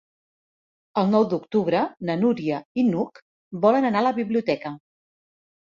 El nou d'octubre na Núria i n'Hug volen anar a la biblioteca.